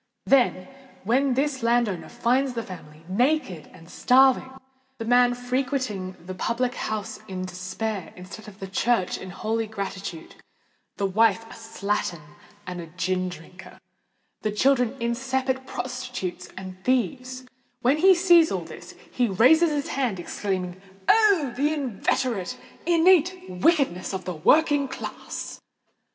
Then when this landowner finds the family naked and starving—the man frequenting the public house in despair, instead of the church in holy gratitude—the wife a slattern and a gin drinker—the children incipient prostitutes and thieves,—when he sees all this, he raises his hands, exclaiming, "Oh! the inveterate, innate wickedness of the working classes!"